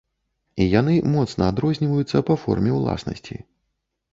І яны моцна адрозніваюцца па форме ўласнасці.